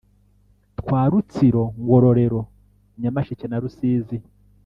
twa Rutsiro Ngororero Nyamasheke na Rusizi